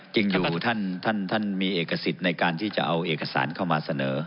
จริงอยู่ท่านมีเอกสิทธิ์ในการที่จะเอาเอกสารเข้ามาเสนอ